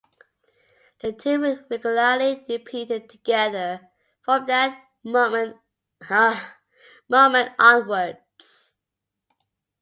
The two were regularly depicted together from that moment onwards.